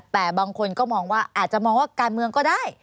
แต่บางคนก็มองว่าอาจจะมองว่าการเมืองก็ได้